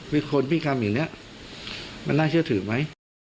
พี่คนพี่คำอย่างเนี้ยมันน่าเชื่อถือไหม